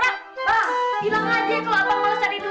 bang bilang aja kalau bang mau cari duit